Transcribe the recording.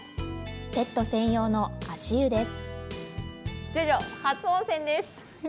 ペット専用の足湯です。